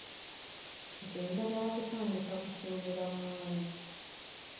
Nze njagala kutandika kusuubula mwanyi.